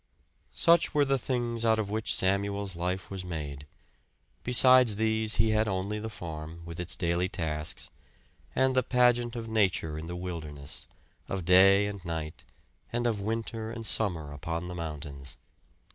Such were the things out of which Samuel's life was made; besides these he had only the farm, with its daily tasks, and the pageant of Nature in the wilderness of day and night, and of winter and summer upon the mountains.